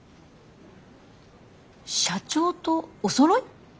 社長とおそろい？